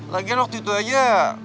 lagian waktu itu aja